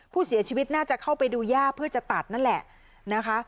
ผู้เสียชีวิตน่าจะเข้าไปดูย่าเพื่อจะตัดนั่นแหละนะคะ